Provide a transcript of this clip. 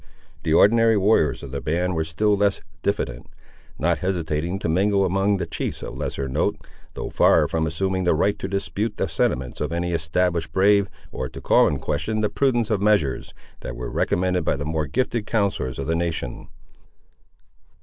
The ordinary warriors of the band were still less diffident, not hesitating to mingle among the chiefs of lesser note, though far from assuming the right to dispute the sentiments of any established brave, or to call in question the prudence of measures, that were recommended by the more gifted counsellors of the nation.